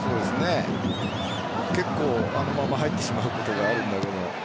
結構、あのまま入ってしまうことがあるんだけど。